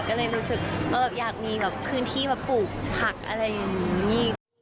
ก็เลยรู้สึกอยากมีแบบพื้นที่มาปลูกผักอะไรอย่างนี้